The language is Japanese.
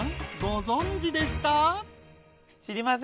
ご存じでした？］